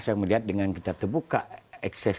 saya melihat dengan kita terbuka ekses